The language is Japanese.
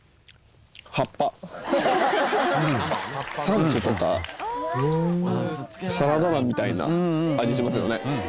サンチュとかサラダ菜みたいな味しますよね。